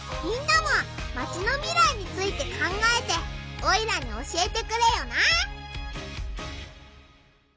みんなもマチの未来について考えてオイラに教えてくれよな！